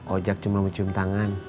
ojek cuma mau cium tangan